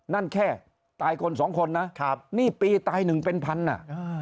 นั่นแค่ตายคนสองคนนะครับนี่ปีตายหนึ่งเป็นพันอ่ะ